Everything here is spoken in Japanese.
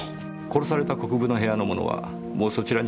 殺された国分の部屋のものはもうそちらに来ていますか？